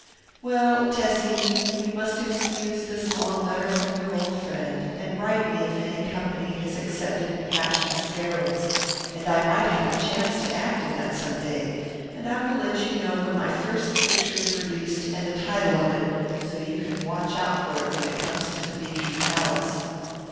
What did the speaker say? Well, Tessie, you must excuse this long letter from your old friend, and write me if any company has accepted Passion's Perils and I might have a chance to act in that some day, and I will let you know when my first picture is released and the title of it so you can watch out for it when it comes to the Bijou Palace.